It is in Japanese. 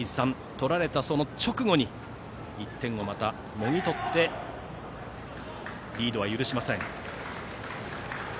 取られた直後に１点をまた、もぎ取ってリードは許しません。